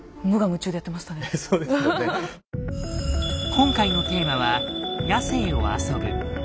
今回のテーマは「野性を遊ぶ」。